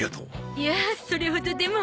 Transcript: いやあそれほどでも。